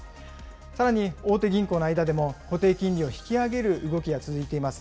さらに大手銀行の間でも固定金利を引き上げる動きが続いています。